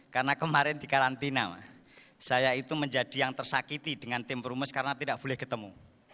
karena kemarin dikarantina saya itu menjadi yang tersakiti dengan tim perumus karena tidak boleh ketemu